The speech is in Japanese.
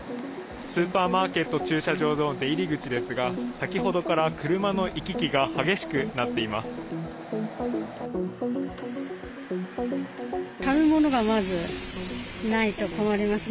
スーパーマーケット駐車場の出入り口ですが、先ほどから車の行き来が激しくなっています。